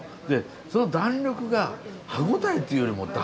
その弾力が歯応えっていうよりも弾力ですね。